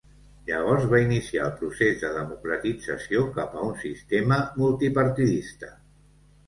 Llavors va iniciar el procés de democratització cap a un sistema multipartidista.